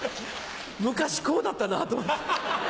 昔こうだったなぁと思って。